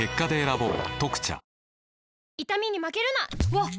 わっ！